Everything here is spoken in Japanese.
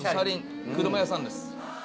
車屋さんです。